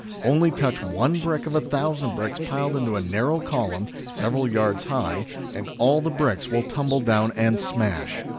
Only touch one brick of the thousand bricks piled into a narrow column, several yards high, and all the bricks will tumble down and smash